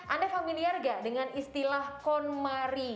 anda familiar gak dengan istilah konmari